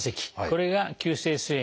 これが急性すい